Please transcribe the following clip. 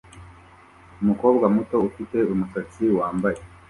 Umukobwa muto ufite umusatsi wambaye